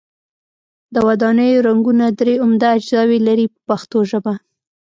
د ودانیو رنګونه درې عمده اجزاوې لري په پښتو ژبه.